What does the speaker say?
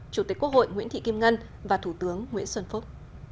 chủ tịch quốc hội nguyễn thị kim ngân và thủ tướng nguyễn xuân phúc